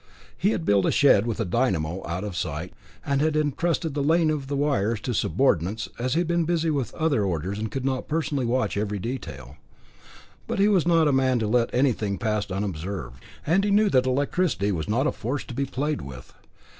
He had built a shed with a dynamo out of sight, and had entrusted the laying of the wires to subordinates, as he had been busy with other orders and could not personally watch every detail. But he was not the man to let anything pass unobserved, and he knew that electricity was not a force to be played with.